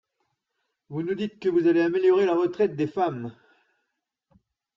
Vous nous dites que vous allez améliorer la retraite des femmes.